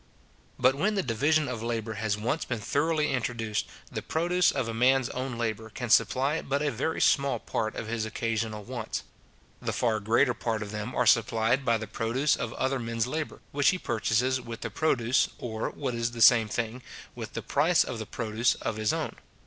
But when the division of labour has once been thoroughly introduced, the produce of a man's own labour can supply but a very small part of his occasional wants. The far greater part of them are supplied by the produce of other men's labour, which he purchases with the produce, or, what is the same thing, with the price of the produce, of his own.